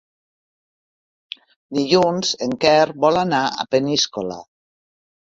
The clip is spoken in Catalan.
Dilluns en Quer vol anar a Peníscola.